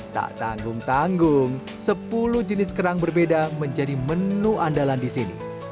tak tanggung tanggung sepuluh jenis kerang berbeda menjadi menu andalan di sini